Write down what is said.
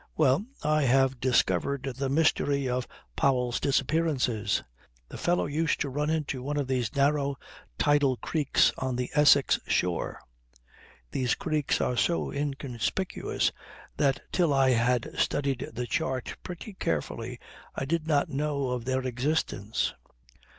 "Well, I have discovered the mystery of Powell's disappearances. The fellow used to run into one of these narrow tidal creeks on the Essex shore. These creeks are so inconspicuous that till I had studied the chart pretty carefully I did not know of their existence.